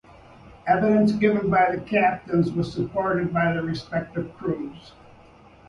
Evidence given by the captains was supported by their respective crews.